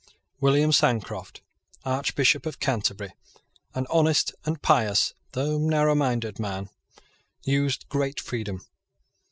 William Sancroft, Archbishop of Canterbury, an honest and pious, though narrowminded, man, used great freedom.